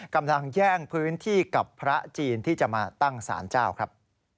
กำลังแย่งพื้นที่กับพระจีนที่จะมาตั้งสารเจ้าครับ